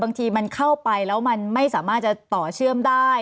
บางทีมันเข้าไปแล้วมันไม่สามารถจะต่อเชื่อมได้